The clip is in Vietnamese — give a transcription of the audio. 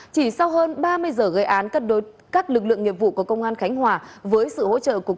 chỉ sau hơn ba mươi giờ gây án các lực lượng nghiệp vụ của công an khánh hòa với sự hỗ trợ của